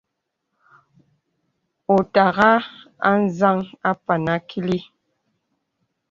Wɔ̄ ùtàghà anzaŋ àpan àkìlì.